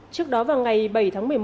trước đó vào ngày bảy tháng một mươi một